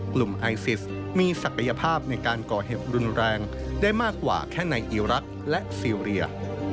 กลุ่มไอซิสมีศักยภาพในการก่อเหตุรุนแรงได้มากกว่าแค่ในอีรักษ์และซีเรีย